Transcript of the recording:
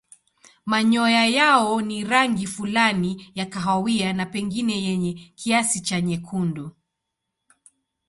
Manyoya yao ni rangi fulani ya kahawia na pengine yenye kiasi cha nyekundu.